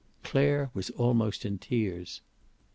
Clare was almost in tears.